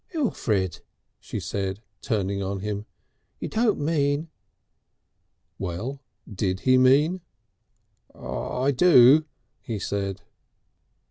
"Elfrid!" she said, turning on him. "You don't mean " Well, did he mean? "I do!" he said.